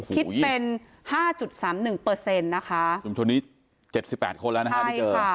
คิดเป็น๕๓๑เปอร์เซ็นต์นะคะชุมชนนี้๗๘คนแล้วนะคะไปเจอ